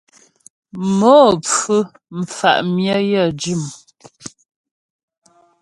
Mo pfú mfà' myə yə jʉm.